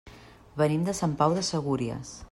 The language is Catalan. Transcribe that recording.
Venim de Sant Pau de Segúries.